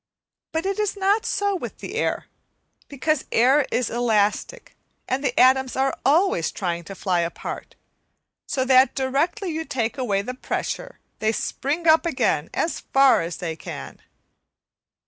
But it is not so with the air, because air is elastic, and the atoms are always trying to fly apart, so that directly you take away the pressure they spring up again as far as they can.